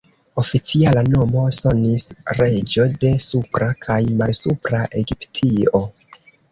Oficiala nomo sonis ""reĝo de Supra kaj Malsupra Egiptio"".